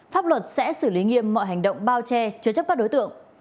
pháp luật sẽ xử lý nghiêm mọi hành động bao che chứa chấp các đối tượng